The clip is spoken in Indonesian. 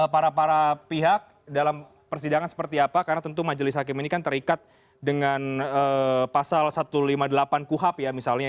para para pihak dalam persidangan seperti apa karena tentu majelis hakim ini kan terikat dengan pasal satu ratus lima puluh delapan kuhap ya misalnya